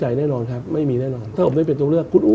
ผมเองกับคุณอุ้งอิ๊งเองเราก็รักกันเหมือนน้อง